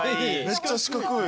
めっちゃ四角い。